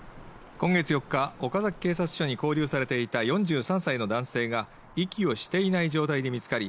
今月４日、岡崎警察署に勾留されていた４３歳の男性が息をしていない状態で見つかり